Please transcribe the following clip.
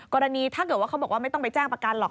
ถ้าเกิดว่าเขาบอกว่าไม่ต้องไปแจ้งประกันหรอก